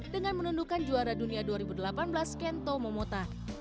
dengan menundukan juara dunia dua ribu delapan belas kento momota